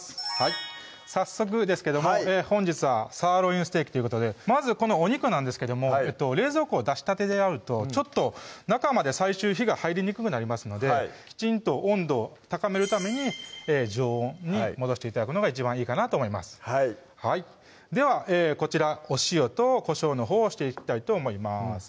早速ですけども本日は「サーロインステーキ」ということでまずこのお肉なんですけども冷蔵庫出したてであるとちょっと中まで最終火が入りにくくなりますのできちんと温度を高めるために常温に戻して頂くのが一番いいかなと思いますではこちらお塩とこしょうのほうをしていきたいと思います